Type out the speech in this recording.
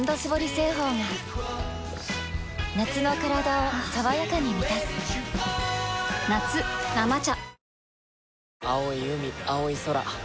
製法が夏のカラダを爽やかに満たす夏「生茶」